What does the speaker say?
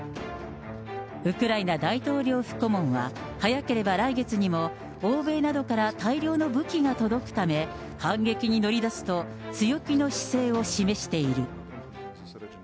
ウクライナ大統領府顧問は、早ければ来月にも、欧米などから大量の武器が届くため、反撃に乗り出すと強気の姿勢を示している。